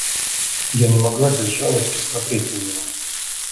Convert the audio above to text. Я не могла без жалости смотреть на него.